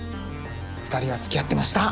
２人はつきあってました。